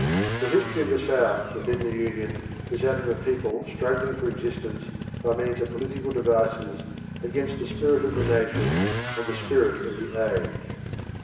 The history of the South within the Union is that of a people struggling for existence by means of political devices against the spirit of the nation and the spirit of the age.